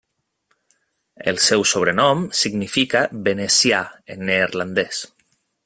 El seu sobrenom significa venecià en neerlandès.